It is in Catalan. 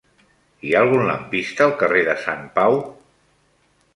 Hi ha algun lampista al carrer de Sant Pau?